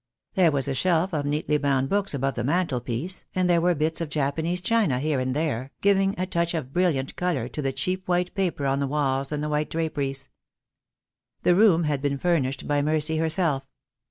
There was a shelf of neatly bound books above the mantelpiece, and there were bits of Japanese china here and there, giving a touch of brilliant colour to the cheap white paper on the walls and the white draperies. The room had been furnished by Mercy herself.